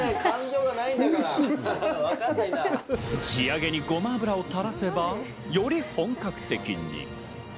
仕上げにごま油を垂らせばより本格的に。